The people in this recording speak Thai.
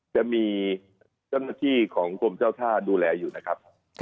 จะมีเจ้าหน้าที่ของกรมเจ้าท่าดูแลอยู่นะครับ